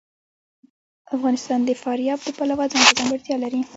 افغانستان د فاریاب د پلوه ځانته ځانګړتیا لري.